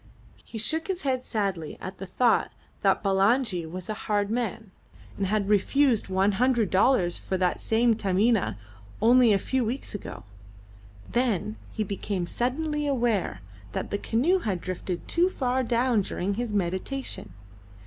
He shook his head sadly at the thought that Bulangi was a hard man, and had refused one hundred dollars for that same Taminah only a few weeks ago; then he became suddenly aware that the canoe had drifted too far down during his meditation.